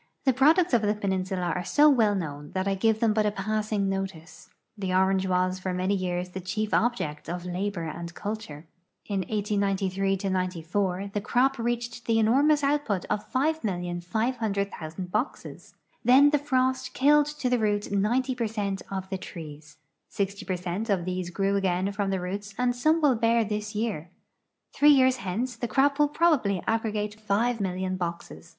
J'he products of the peninsula are so well known that I give them but a passing notice. The orange was for many years the chief object of labor and culture. In 1893 '94 the cro]i reached the enormous outi>ut of 5,500,000 boxes. Then frost killed to the roots 90 per cent of the trees. Sixty per cent of these grew again from the roots and some will bear this year. Three years hence the crop will probably aggregate 5,000,000 boxes.